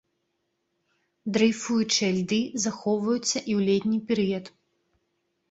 Дрэйфуючыя льды захоўваюцца і ў летні перыяд.